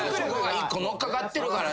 一個乗っかかってるからね。